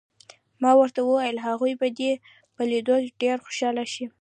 ما ورته وویل: هغوی به دې په لیدو ډېر خوشحاله شي.